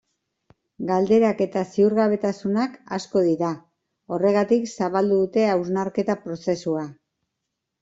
Galderak eta ziurgabetasunak asko dira, horregatik zabaldu dute hausnarketa prozesua.